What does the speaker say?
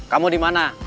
kamu di mana